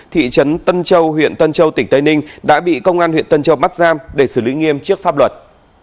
thị trấn tân châu huyện tân châu tỉnh tây ninh đã bị công an huyện tân châu bắt giam để xử lý nghiêm trước pháp luật